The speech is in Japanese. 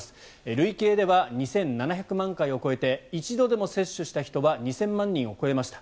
累計では２７００万回を超えて一度でも接種した人は２０００万人を超えました。